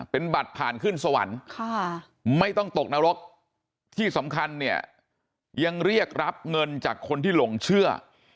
เป็นบัตรผ่านขึ้นสวรรค์ไม่ต้องตกนรกที่สำคัญเนี่ยยังเรียกรับเงินจากคนที่หลงเชื่อ